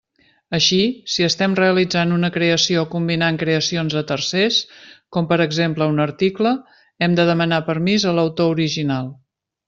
Així, si estem realitzant una creació combinant creacions de tercers, com per exemple un article, hem de demanar permís a l'autor original.